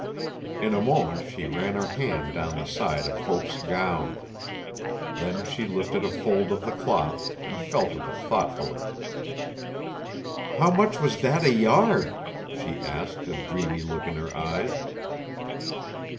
In a moment she ran her hand down the side of Hope's gown. Then she lifted a fold of the cloth and felt of it thoughtfully. 'How much was that a yard?' she asked a dreamy look in her eyes.